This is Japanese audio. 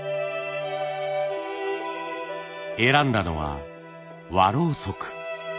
選んだのは和ろうそく。